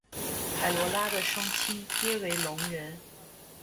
凯萝拉的双亲皆为聋人。